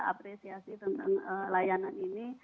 apresiasi tentang layanan ini